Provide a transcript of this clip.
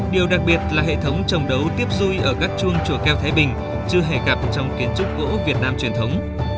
điều đặc biệt là hệ thống trồng đấu tiếp du ở các chuông chùa keo thái bình chưa hề gặp trong kiến trúc gỗ việt nam truyền thống